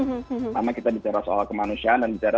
pertama kita bicara soal kemanusiaan dan bicara